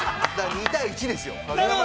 ２対１ですよ。